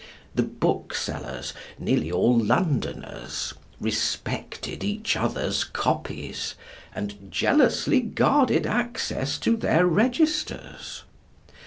The booksellers, nearly all Londoners, respected each other's 'copies,' and jealously guarded access to their registers.